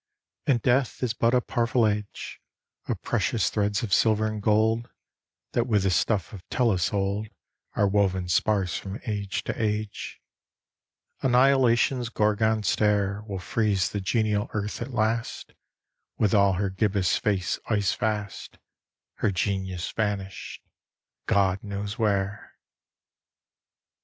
And Death is but a parfilage Of precious threads of silver and gold That with the stuff of Tellus old Are woven sparse from age to age. Annihilation's Gorgon stare Will freeze the genial Earth at last With all her gibbous face icefast, Her genius vanished God knows where.